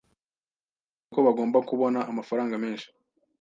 Basabye ko bagomba kubona amafaranga menshi.